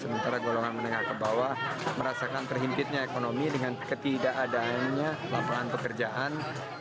sementara golongan menengah ke bawah merasakan terhimpitnya ekonomi dengan ketidakadaannya lapangan pekerjaan